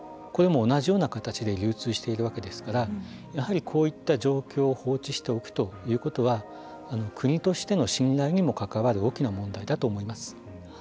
これも同じような形で流通しているわけですからやはりこういった状況を放置しておくということは国としての信頼にも関わる大きな問題だと思います。